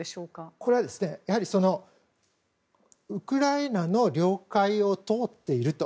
これはやはりウクライナの領海を通っている。